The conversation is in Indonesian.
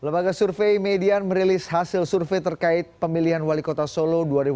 lembaga survei median merilis hasil survei terkait pemilihan wali kota solo dua ribu dua puluh